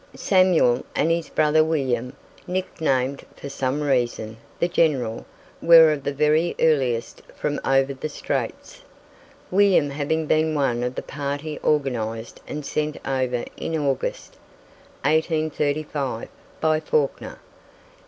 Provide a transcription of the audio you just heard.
Samuel, and his brother William, nicknamed for some reason "The General," were of the very earliest from "over the straits," William having been one of the party organized and sent over in August, 1835, by Fawkner.